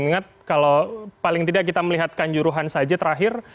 ingat kalau paling tidak kita melihatkan juruhan saja terakhir